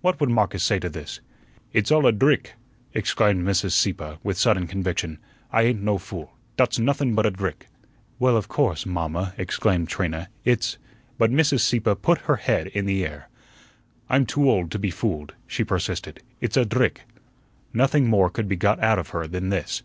What would Marcus say to this?" "It's all a drick!" exclaimed Mrs. Sieppe, with sudden conviction. "I ain't no fool; dot's nothun but a drick." "Well, of course, mamma," exclaimed Trina, "it's " But Mrs. Sieppe put her head in the air. "I'm too old to be fooled," she persisted. "It's a drick." Nothing more could be got out of her than this.